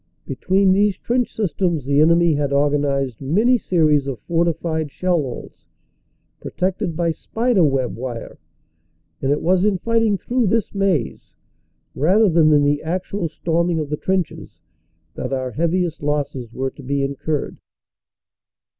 Between these trench systems the enemy had organized many series of fortified shell holes, protected by "spider web" wire, and it was in fighting through this maze, rather than in the actual storming of the trenches, that our heaviest losses were to be incurred.